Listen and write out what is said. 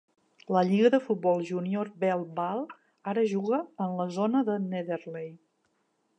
La lliga de futbol júnior Belle Vale ara juga en la zona de Netherley.